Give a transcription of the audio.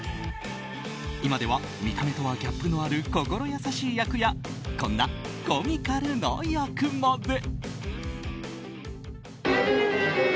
今では見た目とはギャップのある心優しい役やこんなコミカルな役まで。